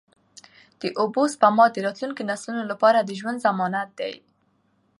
د اوبو سپما د راتلونکو نسلونو لپاره د ژوند ضمانت دی.